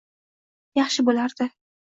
yaxshi bo‘lardi.